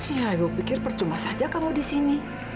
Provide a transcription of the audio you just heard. ya ibu pikir percuma saja kamu disini